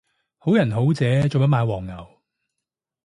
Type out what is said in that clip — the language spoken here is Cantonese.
好人好姐做咩買黃牛